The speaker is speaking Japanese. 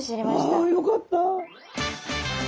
ああよかった。